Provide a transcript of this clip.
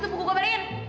itu buku gue bayarin